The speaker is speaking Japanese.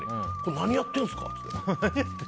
何やってるんですか？